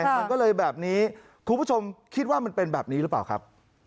มันก็เลยแบบนี้คุณผู้ชมคิดว่ามันเป็นแบบนี้หรือเปล่าครับ